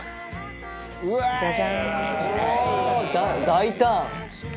大胆！」